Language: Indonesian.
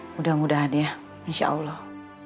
mudah mudahan ya insya allah